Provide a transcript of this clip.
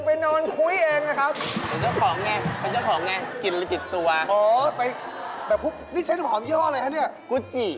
อ๋อพี่นายคือใครังพี่นายคือใครัง